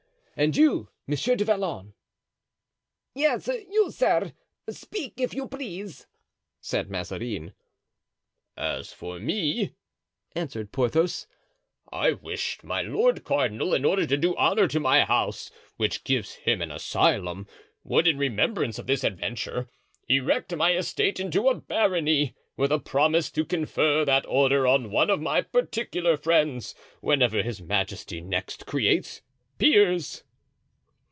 And you, Monsieur du Vallon——" "Yes, you, sir! Speak, if you please," said Mazarin. "As for me," answered Porthos, "I wish my lord cardinal, in order to do honor to my house, which gives him an asylum, would in remembrance of this adventure erect my estate into a barony, with a promise to confer that order on one of my particular friends, whenever his majesty next creates peers."